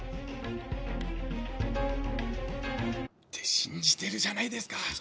って信じてるじゃないですか。